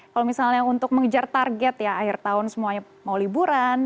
kalau misalnya untuk mengejar target ya akhir tahun semuanya mau liburan